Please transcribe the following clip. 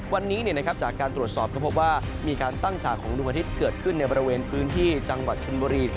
วันนี้จากการตรวจสอบก็พบว่ามีการตั้งฉากของดวงอาทิตย์เกิดขึ้นในบริเวณพื้นที่จังหวัดชนบุรี